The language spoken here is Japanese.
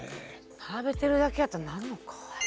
並べてるだけやったらなんのか。